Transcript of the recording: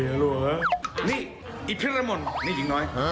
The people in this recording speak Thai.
นี่อี๊พระรมนต์นี่อิ่งน้อย